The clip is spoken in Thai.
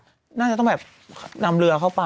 อ่าวมายามน่าจะต้องแบบนำเรือเข้าไป